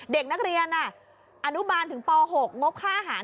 เด็กนักเรียนอนุบาลถึงป๖งบค่าอาหาร